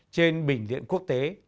trên bình diện quốc tế